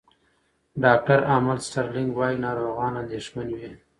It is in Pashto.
ډاکټر امل سټرلینګ وايي، ناروغان اندېښمن وي.